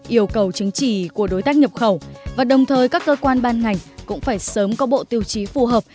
yêu cầu chứng chỉ của đối tác nhập khẩu và đồng thời các cơ quan ban ngành cũng phải sớm có bộ tiêu chí phù hợp